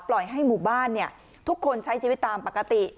ปล่อยให้หมู่บ้านทุกคนใช้ชีวิตตามปกติ